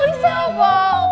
bisa ya pak